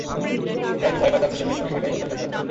ওরা কী ভয় পায় তা খুঁজে বের করে সেটাই ওদের কাছে বেচা।